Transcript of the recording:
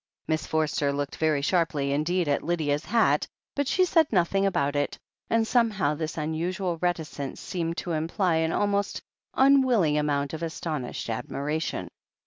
Miss Forster looked very sharply indeed at Lydia's hat, but she said nothing about it, and somehow this unusual reticence seemed to imply an almost unwilling amount of astonished admiration.